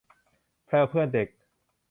แพรวเพื่อนเด็ก